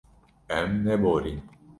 Em neborîn.